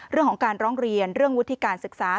เรื่องของการร้องเรียนเรื่องวุฒิการศึกษา